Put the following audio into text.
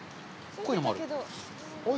こういうのもある。